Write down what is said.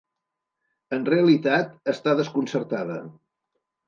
En realitat, està desconcertada.